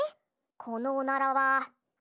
このおならは。